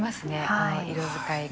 この色使いが。